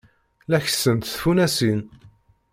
La kessent tfunasin.